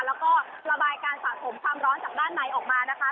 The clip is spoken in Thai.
แล้วก็ระบายการสะสมความร้อนจากด้านในออกมานะคะ